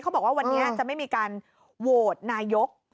บอกว่าวันนี้จะไม่มีการโหวตนายก